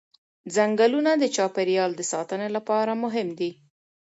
ځنګلونه د چاپېریال د ساتنې لپاره مهم دي